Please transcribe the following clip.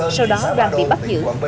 sau đó đoàn bị bắt giữ